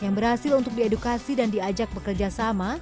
yang berhasil untuk diedukasi dan diajak bekerja sama